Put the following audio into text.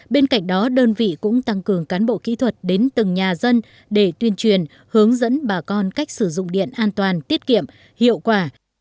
bên cạnh đó đơn vị cũng tăng cường cán bộ kỹ thuật đến từng nhà dân để tuyên truyền hướng dẫn bà con cách sử dụng điện an toàn tiết kiệm hiệu quả